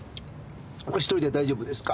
お一人で大丈夫ですか？